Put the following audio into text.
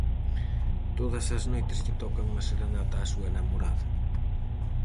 Todas as noites lle toca unha serenata á súa namorada.